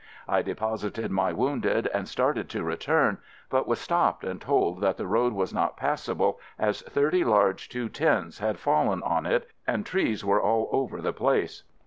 I deposited my wounded and started to re turn, but was stopped and told that the road was not passable as thirty large "210's" had fallen on it and trees were all over the place.